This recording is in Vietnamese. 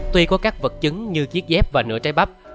tuy có các vật chứng như chiếc dép và nửa trái bắp